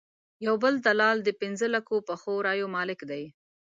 یو بل دلال د پنځه لکه پخو رایو مالک دی.